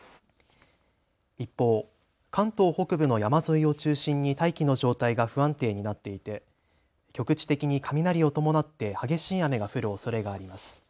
一方、関東北部の山沿いを中心に大気の状態が不安定になっていて局地的に雷を伴って激しい雨が降るおそれがあります。